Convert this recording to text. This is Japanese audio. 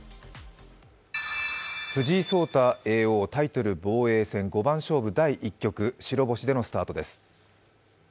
藤井聡太叡王タイトル五番勝負第１局、白星でのスタートです。